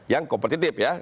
yang kompetitif ya